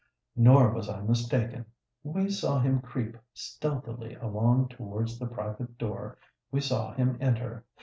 Nor was I mistaken. We saw him creep stealthily along towards the private door: we saw him enter.